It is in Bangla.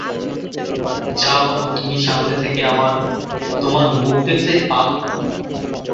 যাও বাপু তুমি সামনে থেকে আমার, তোমার মুখ দেখলে পাপ হয়।